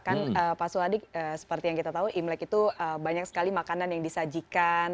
kan pak suladi seperti yang kita tahu imlek itu banyak sekali makanan yang disajikan